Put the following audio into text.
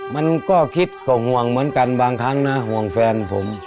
มันก็คิดก็ห่วงเหมือนกันบางครั้งนะห่วงแฟนผม